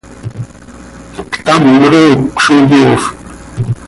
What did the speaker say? Ctam roocö zo yoofp.